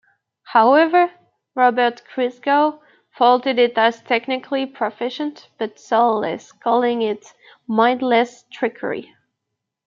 However, Robert Christgau faulted it as technically proficient but soulless, calling it "mindless trickery".